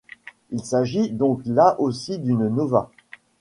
Il s'agit donc là aussi d'une nova.